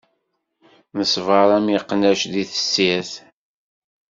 Neṣbeṛ am iqnac di tessirt.